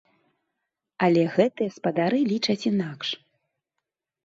Але гэтыя спадары лічаць інакш.